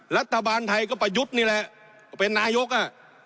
รัฐบาลไทยก็ไปยุดนี่แหละเป็นนาโยกอ่ะ